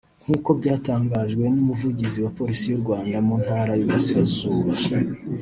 nk’uko byatangajwe n’umuvugizi wa polisi y’u Rwanda mu ntara y’Iburasirazuba